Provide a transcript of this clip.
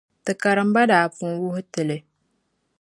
Ti karimba daa pun wuhi ti li.